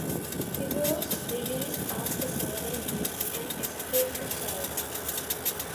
He was released after several weeks and escaped to Chile.